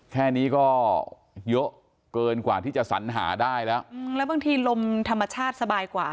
แค่นี้ก็เยอะเกินกว่าที่จะสัญหาได้แล้วแล้วบางทีลมธรรมชาติสบายกว่า